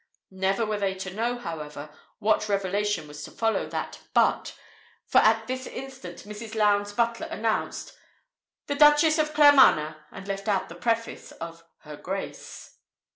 Never were they to know, however, what revelation was to follow that "but," for at this instant Mrs. Lowndes' butler announced "The Duchess of Claremanagh," and left out the preface of "Her Grace."